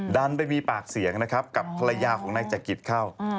ดันไปมีปากเสียงนะครับกับภรรยาของนายจักริตเข้า